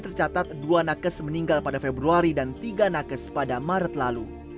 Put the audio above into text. tercatat dua nakes meninggal pada februari dan tiga nakes pada maret lalu